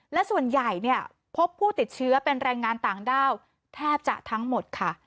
และส่วนใหญ่เนี่ยพบผู้ติดเชื้อเป็นแรงงานต่างด้าวแทบจะทั้งหมดค่ะ